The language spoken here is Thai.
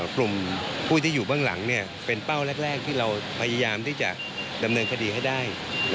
กลุ่มผู้ที่อยู่เบื้องหลังเป็นเป้าแรกที่เราพยายามที่จะดำเนินคดีให้ได้